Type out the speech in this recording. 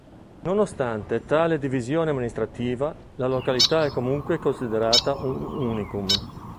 Nonostante tale divisione amministrativa, la località è comunque considerata un "unicum".